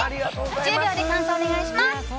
１０秒で感想をお願いします。